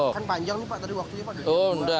kan panjang nih pak tadi waktunya pak